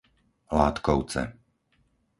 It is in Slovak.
Látkovce